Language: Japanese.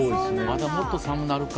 まだもっと寒なるか。